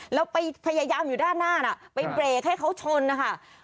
แล้วไปพยายามอยู่ด้านหน้าน่ะไปเบรกให้เขาชนนะคะ